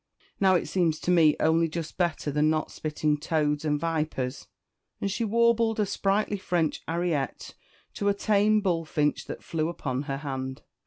Now it seems to me only just better than not spitting toads and vipers." And she warbled a sprightly French ariette to a tame bullfinch that flew upon her hand.